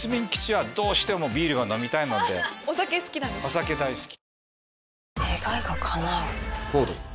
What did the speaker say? お酒大好き。